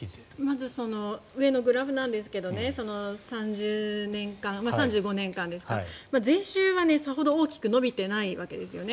まず上のグラフですが３５年間ですか税収はさほど大きく伸びてないわけですね。